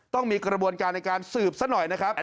ต้องมีกระบวนการในการสืบซะหน่อยนะครับ